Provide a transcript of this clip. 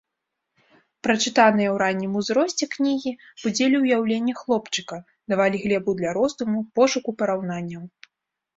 Прачытаныя ў раннім узросце кнігі будзілі ўяўленне хлопчыка, давалі глебу для роздуму, пошуку параўнанняў.